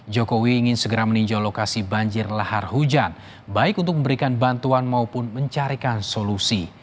jokowi ingin segera meninjau lokasi banjir lahar hujan baik untuk memberikan bantuan maupun mencarikan solusi